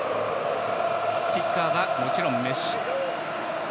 キッカーはもちろんメッシ。